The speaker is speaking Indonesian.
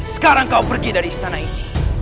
sekarang kau pergi dari istana ini